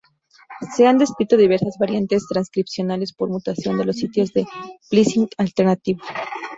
Se han descrito diversas variantes transcripcionales por mutación de los sitios de "splicing alternativo".